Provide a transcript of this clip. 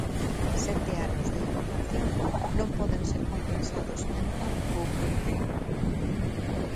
Sete anos de hibernación non poden ser compensados en tan pouco tempo.